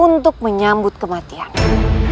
untuk menyambut kematianmu